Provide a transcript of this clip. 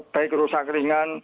baik rusak ringan